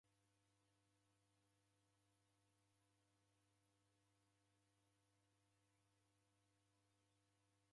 W'adeki w'adakufunda kudeka kwa ngelo.